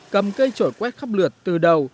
cầm cây trổi quét khắp lượt từ đầu